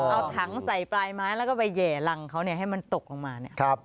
เอาถังใส่ปลายไม้แล้วก็ไปแห่รังเขาให้มันตกลงมาเนี่ย